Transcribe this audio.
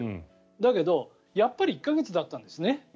だけど、やっぱり１か月だったんですね。